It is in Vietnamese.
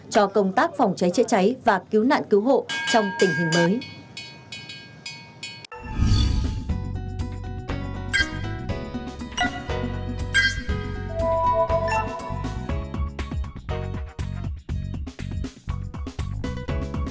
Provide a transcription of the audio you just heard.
cho công tác phòng cháy chữa cháy và cứu nạn cứu hộ trong tình hình mới